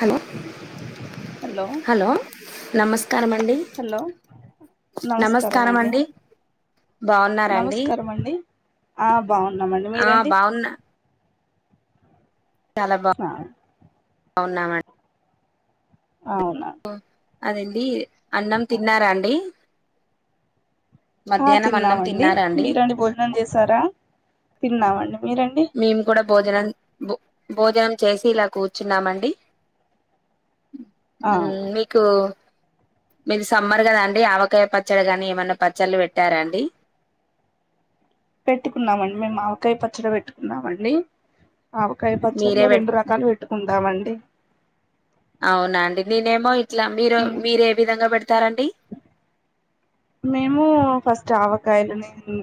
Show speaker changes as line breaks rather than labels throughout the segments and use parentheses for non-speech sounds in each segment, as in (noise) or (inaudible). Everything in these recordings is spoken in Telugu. హలో హలో నమ స్కారమండి
హలో
నమస్కారమండి
నమస్కారమండి ఆ బాగున్నామండి
ఆ
మీరండి
బాగున్నా
ఆ
బాగున్నామం
అవ్
ఓ అదండి అన్నం తిన్నారాండి
ఆ తిన్నామండి మీరండి భోజనం చేసారా తిన్నామండి మీరండి
మేం కూడా భోజనం భో భోజనం చేసి ఇలా కూర్చున్నామండి
ఆ
ఉమ్మ్ మీకు మీది సమ్మర్ కదాండి ఆవకాయ పచ్చడి గాని ఏమన్నా పచ్చళ్ళు పెట్టారాండి (unintelligible) (inaudible)
పెట్టుకున్నామండి మేము ఆవకాయ పచ్చడి పెట్టుకున్నామండి ఆవకాయ
మీరే
పచ్చడిలో
పె
రెండు రకాలు పెట్టుకుంటామండి
అవునా అండి నేనేమో ఇట్లా మీరు మీరు ఏ విధంగా పెడతారండి
మేము ఫస్ట్ ఆవకాయలని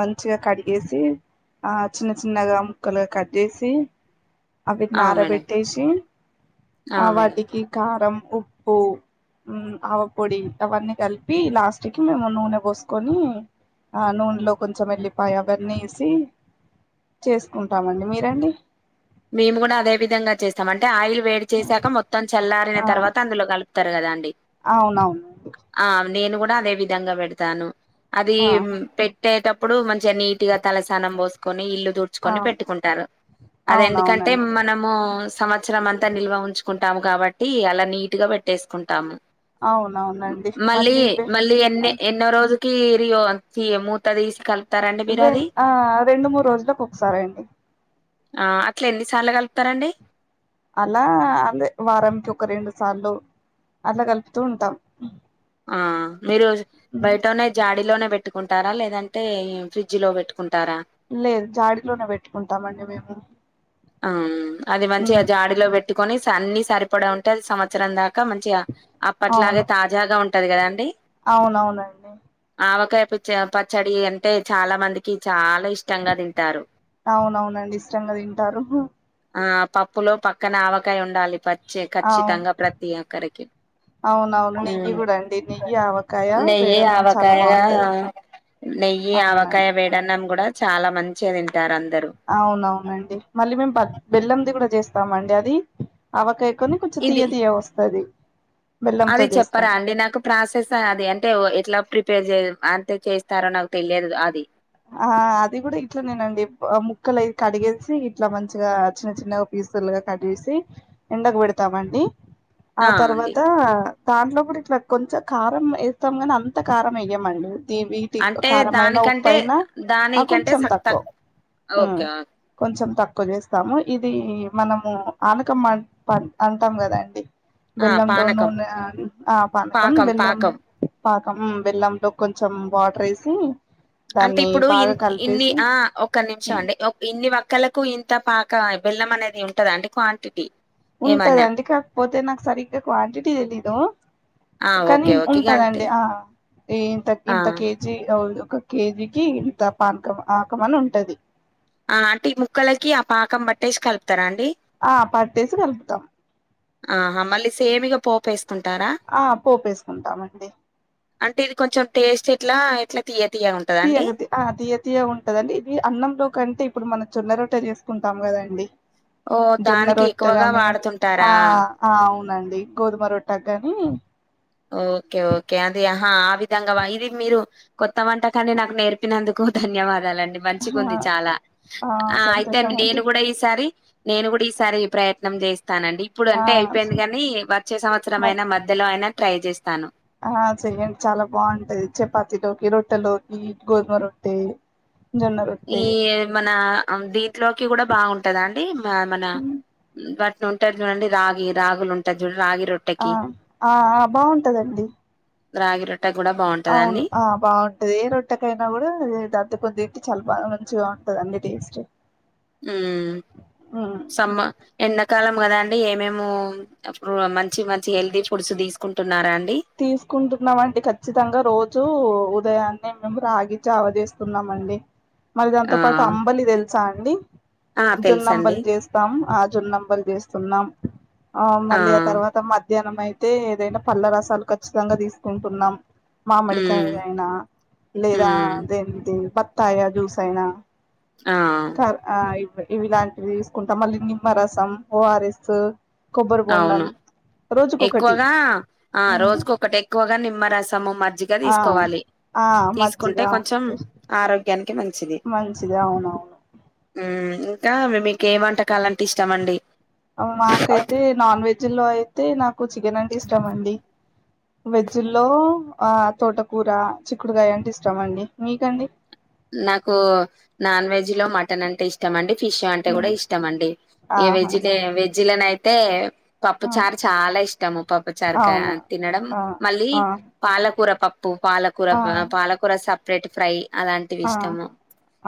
మంచిగా కడిగేసి ఆ చిన్న చిన్నగా ముక్కలుగా కట్ చేేసి అవిట్ని
ఆ మేడం
ఆరబెట్టేసి ఆ వాటికి కారం ఉప్పు ఉమ్మ్ ఆవపొడి అవన్నీ కలిపి లాస్ట్కి మేము నూనె పోసుకొని ఆ నూనెలో కొంచెం వెల్లిపాయ అవన్నెసి చేసుకుంటామండి మీరండి
మేము కూడా అదే విధంగా చేస్తాం అంటే ఆయిల్ వేడి చేశాక మొత్తం చల్లారిన తర్వాత అందులో కలుపు తారు కదండి
అవునవును
అదే విధంగా పెడతాను అది
ఆ
పెట్టేట ప్పుడు మంచిగా నీటీగా తలస్నానం పోసుకొని ఇల్లు
ఆ
తుడ్చుకొని పెట్టుకుంటారు అద ఎందుకంటే
అవునవునండి
మనము సంవత్సరం అంతా నిల్వ ఉంచుకుంటాము కాబట్టి అలా నీట్గా పెట్టేసుకుంటాము
అవునవునండి
మళ్ళీ
బె
మళ్ళీ ఎన్నే ఎన్నో రోజు కి రియో తీ మూత తిసికలు
ఆ రెండు మూడు రోజులకు ఒకసారి అండి
ఆ అట్లా ఎన్నిసార్లు కలుపుతారండి
అలా అదే వారంకి ఒక రెండు సార్లు అట్ల కలుపుతూ ఉంటాం
ఆ మీరు
ఉమ్.
బయటనే జాడిలోనే పెట్టుకుంటారా లేదంటే ఫ్రిడ్జ్‌లో పెట్టుకుం
లేదు జాడిలోనే పెట్టుకుంటామండి మేము
ఆ అది మంచిగా
ఉమ్,
జాడిలో పెట్టుకొని అన్ని సరిపడా ఉంటే అది సంవత్సరం దాకా ఇకా మంచిగా
అవును
అప్పట్లాగే తాజాగా ఉంటది కదా అండి
అవునవునండి
ఆవకాయపు పచ్చడి అంటే చాలా మందికి చాలా ఇష్టంగా తింటారు
అవునవునండి ఇష్టంగా తింటారు
ఆ పప్పులో పక్కన ఆవకాయ ఉండాలి పచ్చి
అవును
ఖచ్చితంగా ప్రతి ఒక్కరికి
అవునవును నెయ్యి
ఉమ్
కూడా అండి నెయ్యి ఆవకాయ
నెయ్యి
వేడన్నం చాలా
ఆవకాయగా
బాగుంటది
నెయ్యి ఆవకాయ
అవునండి
వేడన్నం కూడా చాలా మంచిది
అవునవునండి మళ్ళీ మేము బెల్లంది కూడా చేస్తాము అండి అది అవకాయ కాని కొంచెం
ఇది
తీయ తీయ వస్తది బెల్లంతో
అది
చేస్తాం
చెప్పరా అండి నాకు ప్రాసెస్ అది అంటే ఎట్లా ప్రిప పేర్ చేయడం అంతే చేస్తారో నాకు తెలియదు అది
ఆ అది కూడా ఇట్లా నేనండి ముక్కలు అ కడిగేసి ఇట్లా మంచిగా చిన్న చిన్నగా పి సులుగా కట్ చేసి ఎండకు పెడతామండి ఆ తర్వాత దాంట్లో కూడా ఇట్లా కొంచెం కారం వేస్తాం కానీ అంత కారం వేయమండి తివిటి
అంటే
కారంమైన
దానికంటే
పైన ఆ
దానికంటే
కొంచెం
సక్
తక్కువ
తక్ ఓకే
ఉమ్
ఓకే.
కొంచెం తక్కువ చేస్తాము ఇది ఇది మనము ఆనకం అంటాం కదాండి
ఆ
బెల్లం
పానకం
లోన్నన్న ఆ పనకం
పాకం
బెల్లం
పాకం
పా ఆమ్ బెల్లం తో కొంచెం వాటర్ వేసి
అంటే
దాన్ని
ఇప్పుడు ఇ
బాగా
ఇన్ని
కలిపేసి
ఆ ఒక నిమిషం అండి ఇన్ని ఒక్కలకు ఇంత పా ఇ బెల్లం అనేది ఉంటదా అండి క్వాంటిటీ ఏమన్నా
ఉంటదండి కాకపోతే నాకు సరిగ్గా క్వాంటిటీ తెలీదు
ఆ
కానీ
ఓకే ఓకే ఇగ అంతే
ఉంటదండి ఆ ఇంత
ఆ
ఇంత కేజీ అ ఒక కేజీకి ఇంత పానకం ఆ కమం అని ఉంటది
ఆ అంటే ఈ ముక్కలకి ఆ పాకం పట్టేసి కలుతారా అండి
ఆ పట్టేసి కలుపుతాం
ఆహ మళ్ళీ సేమిగా పోపేస్త ఉంటారా
ఆ పోపేసుకుంటామండి
అంటే ఇది కొంచెం టేస్ట్ ఇట్లా ఇట్లా తియ
దియే కతే ఆ దియే తియగ ఉంటదండి ఇది అన్నంలో కంటే ఇప్పుడు మనం జొన్న రొట్టె చేసుకుంటాం కదాండి
ఓ
జొన్న
దానికి ఎక్కువగా
రొట్టెగాని ఆ
వాడుతుంటారా
ఆ అవునండి దేయి గోధుమ రొట్టె గాని
ఓకే ఓకే అది ఆహా ఆ విధంగా ఇది మీరు కొత్త వంటకాన్ని నాకు నేర్పినందుకు ధన్యవాదాలండి మంచిగా ఉంది చాలా ఆ అయితే
సంతోషం
నేను
అండి
కూడా ఈసారి నేను కూడా ఈసారి ఈ ప్రయత్నం చే స్తానండి ఇప్పుడు
ఆ
అంటే అయిపోయింది కాని వచ్చే సంవత్సరం
మ
అయినా మధ్యలో అయినా ట్రై చేస్తాను
ఆ చెయ్యండి చాలా బాగుంటది చపాతిలోకి రొట్టెలోకి గోధుమ రొట్టె జొన్న
ఈ
రొట్టె
మన దీంట్లోకి కూడా బాగుంటద అండి మన వాటిని ఉంటారు చూడండి రాగి రాగులు ఉంటారు చూడం రాగి రొట్టెకి
ఆ ఆ బాగుంటదండి
రాగి రొటె
అవును ఆ బాగుంటది ఏ రొట్టెకైనా కూడా దద్ద కొద్ది ఇట్టి చ బాగా మంచిగా ఉంటది అండి టేస్ట్
ఉ
ఉమ్
సమ్మ ఎన్నకాలం కదండి ఏమేము మంచి మంచి హెల్దీ ఫుడ్స్ తీసుకుంటున్నారా. అండి
తీసుకుంటున్నామండి ఖచ్చితంగా రోజు ఉద్ ఉదయాన్నే మేము రాగి జావా చేస్తున్నామండి మరి
ఆ
దాంతో పాటు అంబలి తెలుసా అండి
ఆ తెలుసండి
జొన్నంబలు చేస్తాం ఆ జొన్నంబలు చేస్తున్నాం ఆ మళ్ళీ ఆ తర్వాత మధ్యాహ్నం అయితే ఏదైనా పల్ల రసాలు ఖచ్చితంగా తీసుకుంటున్నాం. మామిడికాయ
ఉమ్
అయినా లేదా
ఉమ్
దే దే బత్తాయ జ్యూస్ అయినా
ఆ
కద్ ఆ ఇవిలాంటివి తీసుకుంటాం మళ్ళీ నిమ్మరసం ఓవారరేస్సు
అవును ఎక్కువగా ఆ
ఉమ్
రోజుకు ఒకటి ఎక్కువగా నిమ్మరసము మ మ్జిగా
ఆ
తీసుకోవాలి
ఆ మజ్జిగ
తీసుకుంటే కొంచెం
అవునండి
ఆరో గ్యానికి మంచిది
మంచిది అవునవును
ఉ ఇంకా మీ మీకి ఏ వంటకాలంటే ఇష్టామండి
మాకైతే నాన్ వెజ్లో అయితే నాకు చికెన్ అంటే ఇష్టామండి. వెజ్జుల్లో ఆ తోటకూర చిక్కుడుకాయ అంటే ఇష్టామండి మీకండి.
నాకు నాన్ వెజ్లో మటన్ అంటే ఇష్టం అండి ఫిష్ అంటే కూడా
ఉమ్
ఇష్టం అండి ఇక
ఆహా
వెజ్టేరియా వెజ్జులోనా అయితే పప్పు
ఆ
చారు చాలా ఇష్టము పప్పు చారు క
అవునా
తినడం
ఆ
మళ్ళీ
ఆ
పాలకూర ప్పు పాలకూర
ఆ
అ పాలకూర సెపరేట్ ఫ్రై అలా టివి
ఆ
ఇష్టము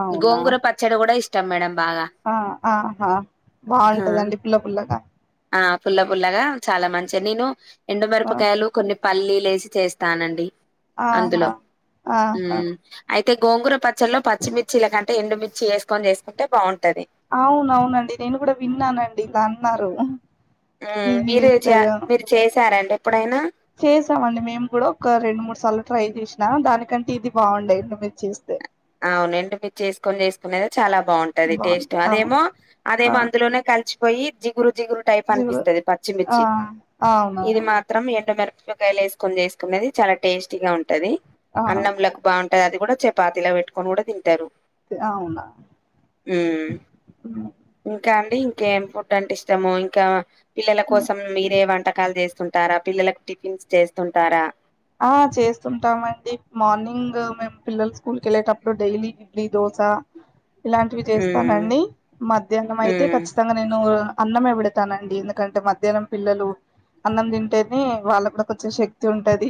అవునా
గోంగూర పచ్చడి కూడా ఇష్
ఆ ఆ ఆ బాగుంటదండి పుల్ల పుల్లగా
ఆ పుల్ల పుల్లగా చాలా మంచిగా నేను
ఆ
ఎండుమిరపకాయలు కొన్ని పల్లీ లేసి చేస్తానండి అందులో
ఆహా
ఉ
ఆహా
అయి తే గోంగుర పచ్చల్లో పచ్చిమిర్చిలకంటే ఎండు మర్చి వేసుకొని చేసుకుంటే బాన్
అవునవునండి నేను కూడా విన్నానండి ఇలా అన్నారు.
ఉ
ఇది
మీరు
చేస్తే
చ్య మీరు చేసారంటడి ఎప్పుడైనా
చేసామండి మేము కూడా ఒక రెండు మూడు సార్లు ట్రై చేసి నా దానికంటే ఇది బాగుండ్యా ఎండుమిర్చి యేస్తే
అవునండి ఎండుమిర్చి యేసుకొని చేసుకునేదే చాలా బాగుంటది టేస్ట్
బాగుంది అవును
అదేమో
ఆ
అదేమో అందులోనే కలిసిపోయి జిగురు జిగులు టైప్
జీవ
అనిపిస్తది
ఆ
పచ్చిమిర్చి ఇది
అవునవును
మాత్రం ఎండ మిరప్ కాయలు వేసుకొని చేసుకునేది చాలా టేస్టీగా ఉంటది
ఆ
అన్నంలోకి బాగున్ టాది అది కూడా చపాతిలా పెట్టుకొని కూడా తింటారు.
అవునా
ఉ ఇంకా అండి ఇంకేం ఫుడ్ అంటే ఇ ము ఇంకా పిల్లల కోసం మీరే వంట కాలు చేస్తుంటారా పిల్లలకు టిఫిన్స్ చేస్తుంటారా
ఆ చేస్తుంటామండి మార్నింగు మేము పిల్లలు స్కూల్కి వెళ్ళేటప్పుడు డైలీ ఇడ్లీ దో స ఇలాంటివి
హ్మ్.
చేస్తానండి మధ్యాహ్నం అయితే
హ్మ్.
ఖచ్చితంగా నేను అన్నమే పెడతానండి ఎందుకంటే మధ్యాహ్నం పిల్లలు అన్నం తింటేనే వాళ్ళ కూడా కొంచం శక్తి ఉంటాది.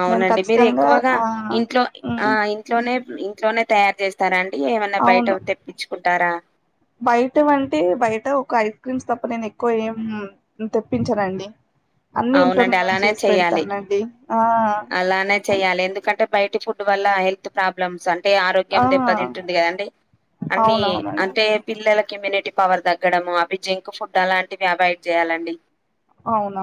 అవునండి మీరు ఎక్కువగా
ఆ
ఇంట్లో ఆ
ఉమ్
ఇంట్లోనే ఇంట్లోనే తయారు చేస్తారా ఏమన్నా బయట
అవును
తెప్పించుకుంటారా
బయటవంటే బయట ఒక ఐస్ క్రీమ్స్ తప్ప నేను ఎక్కువ ఏమ్ తెప్పించానండి. అన్ని ఇంట్లోనే
అవునండి.
నేను
అలానే
చేసి
చేయాలి.
పెడతానండి ఆ అన్
బయట ఫుడ్ వల్ల హెల్త్ ప్రాబ్లమ్స్ అంటే అంటే ఆరోగ్యం
ఆ
దెబ్బతింటుంది కదండి అన్ని
అవునవునండి
అంటే పిల్లల ఇమ్యూనిటీ పవర్ తగ్గడము అవి జింక్ ఫుడ్ అలాంటివి అవాయిడ్ చేయాలండి
అవును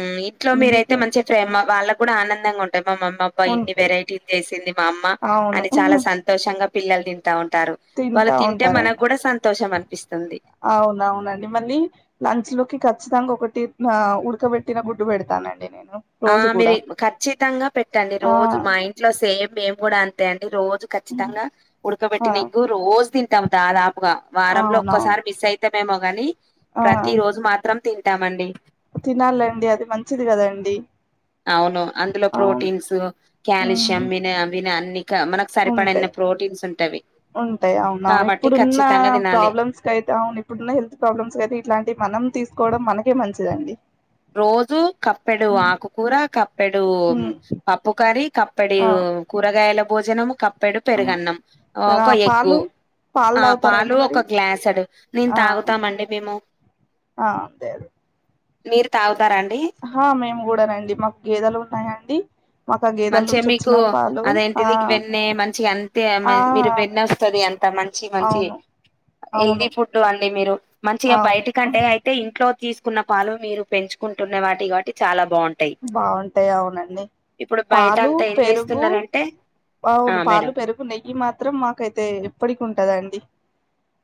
ఉం ఇంట్లో మీరైతే
అందుకే
మంచి ప్రేమ వాళ్ళ కూడా ఆనందంగా ఉంటాయి మా మమ్మ అబ్బ ఇన్ని
ఉంటది
వెరైటీస్ చేసింది మా అమ్మ
అవును
అని చాలా సంతోషంగా పిల్లలు తింటా ఉంటారు వాళ్ళు
తింటా
తింటే మనకు
ఉంటారండి
కూడా సంతోషం అనిపిస్తుంది
అవునవునండి మళ్ళీ లంచ్ లోకి ఖచ్చితంగా ఒకటి ఆ ఉడకబెటిన గుడ్డు పెడతానండి నేను
ఆ
రోజు
మీరు
కూడా
ఖచ్చితంగా పెట్టండి
ఆ
రోజు మా ఇంట్లో సేమ్ మేము కూడా అంతే అండి రోజు
హ్మ్.
ఖచ్చితంగా
ఆ
ఉడకబెట్టిన ఎగ్గు రోజు తింటాం దాదాపుగా వారంలో
అవునవును
ఒక్కసారి మిస్ అయితే మేమో కాని
ఆ
ప్రతి రోజు మాత్రం తింటామండి
తినాలండి అది మంచిది కదండి
అవును అందులో
అవును
ప్రోటీన్స్ కాల్షియం
ఉమ్
విన విన అన్ని నాకు సరిపడిన్న
ఉంటాయి
ప్రోటీన్స్ ఉంటవి
ఉంటాయి అవునా
కాబట్టి
ఇప్పుడున్న
ఖచ్చితంగా తినాలి.
ప్రాబ్లమ్స్ కయితే అవును ఇప్పుడున్న హెల్త్ ప్రాబ్లమ్స్ కయితే ఇట్లాంటి మనం తీసు కోవడం మనకే మంచిదండి
రోజు కప్పెడు
ఉమ్
ఆకుకూర కప్పెడు
ఉమ్
పప్పు కర్రీ కప్పెడు
అవును
కూరగాయల భోజనం కప్పెడు
ఆ
పెరుగన్నం
ఆ
ఒక
పాలు
ఎగ్గు
పాలు
ఆ
తాగుతారండి
పాలు
మరి
ఒక గ్లాస్ యేడు నేను
ఆ
తాగుతామండి మేము
ఆ అదే అదే
మీరు తాగు
హా మేము కూడా నండి మాకు గేదలు ఉన్నాయాండి
మంచిగా మీకు అద
ఆ
ఎంటిది వెన్న మంచిగా అంతే
ఆ
మీరు వెన్న వస్తుంది అంత మంచి మంచి
అవును అవును
హెల్దీ ఫుడ్ అండి మీరు మంచిగా బయట
అవును
కంటే అయితే ఇంట్లో తీసుకు కున్న పాలు మీరు పెంచుకుంటున్న వాటి కాబట్టి చాలా బాగుంటాయి
బాగుంటాయి అవునండి
ఇప్పుడు బయట
పాలు
అంతా ఏం
పెరుగు
చేస్తున్నారంటే ఆ
అవును పాలు
మేడం
పెరుగు నెయ్యి మాత్రం మాకైతే ఎప్పటికి ఉంటదండి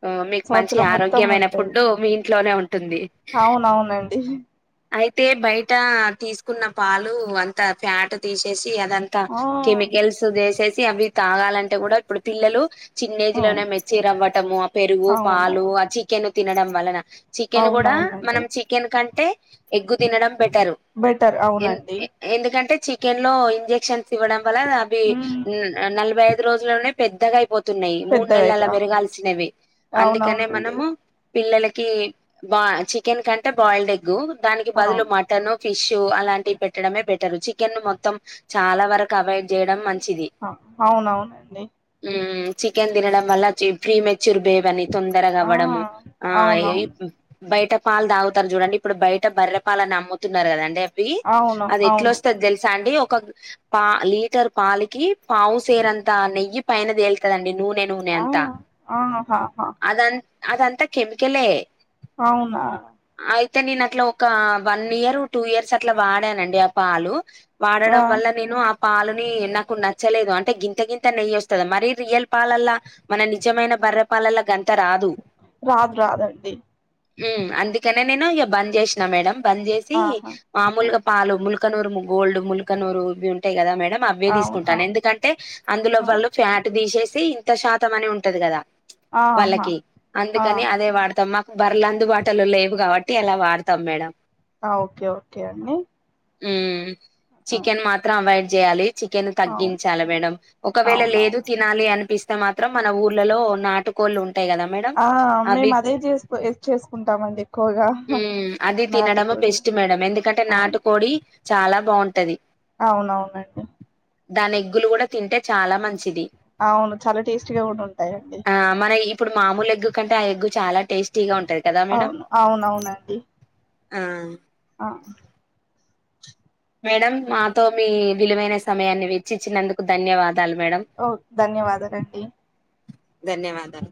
ఆ మీకు మంచి
సంవత్సరం మొత్తం
ఆరోగ్యమైన
ఉంటది
ఫుడ్డు మీ ఇంట్లోనే ఉంటుంది
అవునవునండి
అయితే బయట తీసుకున్న పాలు అంత ఫ్యాట్ తీసేసి అదంతా
ఆ
కెమికల్స్ వేసేసి అవి తాగాలంటే కూడా ఇప్పుడు పిల్లలు చిన్న ఏజ్లోనే
అవును
మెర్చి రవ్వటము ఆ పెరుగు
అవును
పాలు ఆ చికెన్ తినడం వలన చికెన్ కూడా
అవునవునండి
మనం చికెన్ కంటే ఎగ్గు తినడం బెటర్
బెటర్
ఎ
అవునండి
ఎందుకంటే చికెన్ లో ఇంజెక్షన్స్ ఇవ్వడం వల్ల అవి
ఉమ్
నలభై ఐదు రోజులోనే పెద్దగా అయిపోతుంది న్నాయి మూడు
పెద్దగా
నెలలు
అయిపో
పెరగాల్సినవి అందుకనే
అవునవునండి
మనము పిల్లలకి బా చికెన్ కంటే బాయిల్డ్ దానికి బదులు
అవును
మటన్ ఫిష్ అలాంటివి పెట్టడమే బే టరు చికెన్ మొత్తం చాలా వరకు అవాయిడ్ చేయడం మంచి
అవునవునండి
మ్మ్ చికెన్ తినడం వల్ల ప్రీ మెచ్యూర్ బేబ్ అని తొందరగా
ఆ
అవ్వడము ఆ
అవునవును
బయట పాలు తాగుతారు చూడండి ఇప్పుడు బయట బర్రె పాలని అమ్ముతున్నారు కదండీ వి
అవును
అది ఎట్లా
అవును
వస్తది తెలుసా అండి ఒక పా లీటర్ పాలికి పావుసేరంతా నెయ్యి పైన తేలుతదండి నూ
ఆ అహా హా
అదం అదంతా కెమికలే
అవునా
అయితే నేను అట్లా ఒక వన్ ఇయర్ టూ ఇయర్స్ అట్లా వాడానండి ఆ పాలు
ఆ
వాడడం వల్ల నేను ఆ పాలుని నాకు నచ్చలేదు అంటే గింత గింత నెయ్యి వస్తుంది మరి రియల్ పాలల్లా మన నిజమైన బర్ర పాలల గ
రాదు రాదండి
అందుకనే నేను ఇక బంద్ చేసిన మేడం బంద్ చేసి
ఆహా ఆ!
మామూలుగా పాలు ము ముల్కనూరు గోల్డ్ ముల్కనూరు (unintelligible) ఉంటయ్ కదా మ అవే
అవును
తీసుకుంటాను
అవును
ఎందుకంటే అందులో
ఆ!
వాళ్ళు ఫ్యాట్ తీసేసి ఇంత శాతం అని ఉంటది కద
ఆహా
వాళ్ళకి
ఆ
అందుకని
ఆ!
అదే వాడతమ బర్రెలు అందుబాటులో లేవు కాబట్టి అలా వాడతాం మేడం
ఓకే ఓకే అండి
ఉ
ఆ!
చికెన్ మాత్రం అవయిడ్ చేయాలి చికెన్
అవును
తగ్గించాలి మేడం ఒకవేళ లేదు
అవునవును
తినాలి అనిపిస్తే మాత్రం మన ఊర్లలో నాటుకోళ్ళు ఉంటాయి కదా మేడం
ఆ
అవి
మేము అదే చేసుకో చేసుకుంటామండి ఎక్కువగా
అది తినడ
నాటుకోడి
బెస్ట్ మేడం ఎందుకంటే
అవును
నాటు కోడి చాలా బాగుంటది
అవునవునండి
దాని ఎగ్గులు కూడ తింటే చాల మంచిది
అవును చాలా టేస్టీగా కూడా ఉంటాయండి
ఆ మన ఇప్పుడు మామూలు ఎగ్ క ఆ ఎగ్గు చాల టేస్టీగా ఉ
అవును అవునవునండి
ఆ
ఆ
మేడం మాతో మీ విలువైన సమయాన్ని వెచ్చిచ్చినందుకు ధన్యవ
ఓ ధన్యవాదాలండి
ధన్యవాద